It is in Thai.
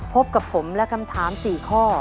พบกับผมและคำถาม๔ข้อ